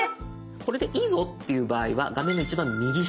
これでいいぞっていう場合は画面の一番右下。